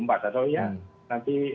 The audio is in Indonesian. atau ya nanti